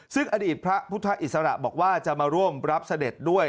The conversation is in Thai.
ซึ่งอดีตพระพุทธอิสระบอกว่าจะมาร่วมรับเสด็จด้วย